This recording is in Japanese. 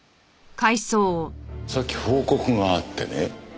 さっき報告があってね。